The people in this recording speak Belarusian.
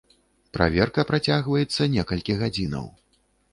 Праверка працягваецца некалькі гадзінаў.